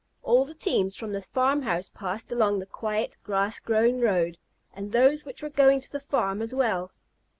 All the teams from the farm house passed along the quiet, grass grown road, and those which were going to the farm as well.